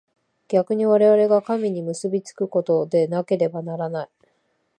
逆に我々が神に結び附くことでなければならない。